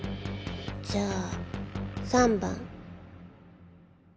じゃあ３番